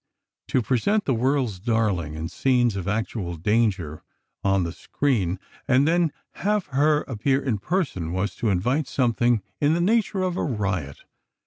To present the "world's darling" in scenes of actual danger, on the screen, and then have her appear in person, was to invite something in the nature of a riot.